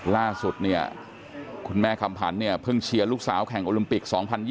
ล่าสุดคุณแม่คำพันธ์เพิ่งเชียร์ลูกสาวแข่งโอลิมปิก๒๐๒๐